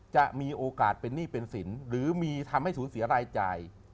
จะมีโอกาสเป็นหนี้เป็นสินหรือมีทำให้สูญเสียรายจ่าย